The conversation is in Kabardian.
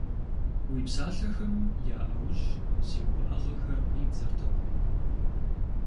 Уи псалъэхэм я Ӏэужь си уӀэгъэхэр къибдзэртэкъым.